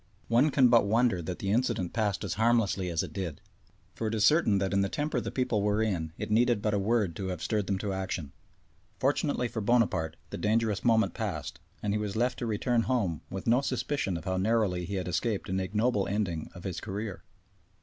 One can but wonder that the incident passed as harmlessly as it did, for it is certain that in the temper the people were in it needed but a word to have stirred them to action. Fortunately for Bonaparte the dangerous moment passed, and he was left to return home with no suspicion of how narrowly he had escaped an ignoble ending of his career.